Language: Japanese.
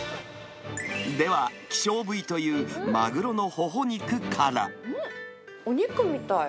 では、希少部位というマグロのホお肉みたい。